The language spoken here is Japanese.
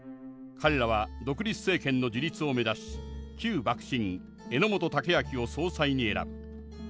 彼らは独立政権の樹立を目指し旧幕臣榎本武揚を総裁に選ぶ。